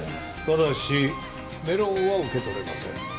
ただしメロンは受け取れません。